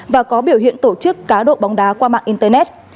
và có biểu hiện tổ chức cá độ bóng đá qua mạng internet